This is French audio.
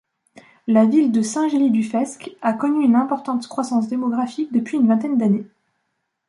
La ville de Saint-Gély-du-Fesc a connu une importante croissance démographique depuis une vingtaine d'années.